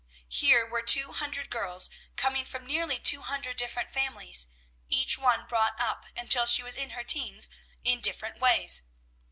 Here were two hundred girls, coming from nearly two hundred different families, each one brought up, until she was in her teens, in different ways.